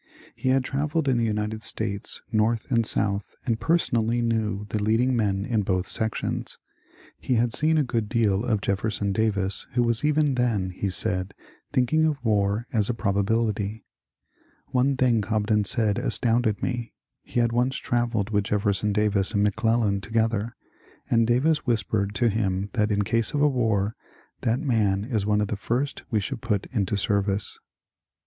He had travelled in the United States, north and south, and person ally knew the leading men in both sections. He had seen a good deal of Jefferson Davis who was even then, he said, thinking of war as a probability. One thing Cobden said astounded me. He had once travelled with Jefferson Davis and McClellan together, and Davis whispered to him that in case of a war ^^ that man is one of the first we should put into service."